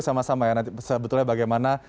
sama sama ya nanti sebetulnya bagaimana